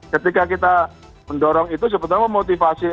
ketika kita mendorong itu sebetulnya motivasi